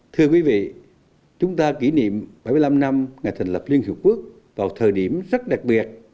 thưa quý vị chúng ta kỷ niệm bảy mươi năm năm ngày thành lập liên hợp quốc vào thời điểm rất đặc biệt